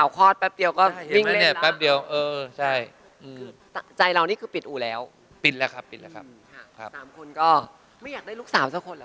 ๓คนก็ไม่อยากได้ลูกสาวสักคนเหรอ